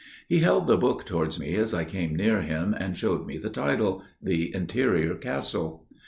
He held the book towards me as I came near him, and showed me the title, "The Interior Castle."